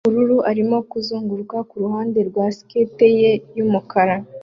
yubururu arimo kuzunguruka kuruhande rwa skate ye yumukara